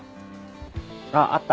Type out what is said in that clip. あっあった。